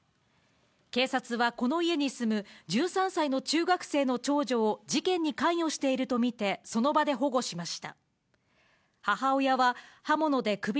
警察はこの家に住む１３歳の中学生の長女を事件に関与していると見て、その場で保護しました。